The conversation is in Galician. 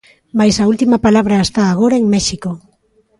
Mais a ultima palabra está agora en México.